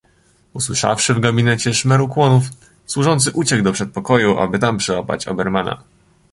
"Usłyszawszy w gabinecie szmer ukłonów, służący uciekł do przedpokoju, aby tam przyłapać Obermana."